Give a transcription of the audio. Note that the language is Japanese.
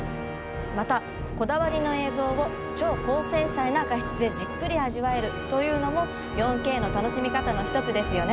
またこだわりの映像を超高精細な画質でじっくり味わえるというのも４Ｋの楽しみ方の一つですよね。